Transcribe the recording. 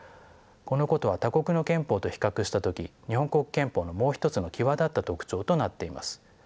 このことは他国の憲法と比較した時日本国憲法のもう一つの際立った特徴となっています。